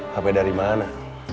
hp dari mana